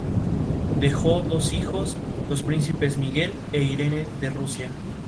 Libro de Minerva Sáenz Rodríguez